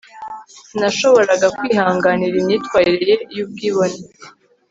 sinashoboraga kwihanganira imyitwarire ye y'ubwibone